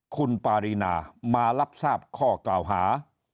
คุณปารีนามารับทราบข้อกล่าวหา